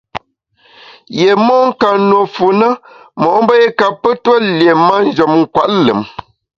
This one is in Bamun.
Yié mon ka nùe fu na mo’mbe i kape tue lié manjem nkwet lùm.